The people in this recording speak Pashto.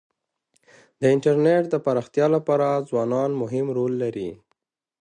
د انټرنيټ د پراختیا لپاره ځوانان مهم رول لري.